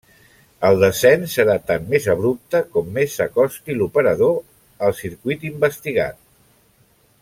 El descens serà tant més abrupte com més s'acosti l'operador al circuit investigat.